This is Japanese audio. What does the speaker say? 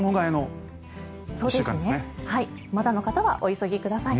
まだの方はお急ぎください。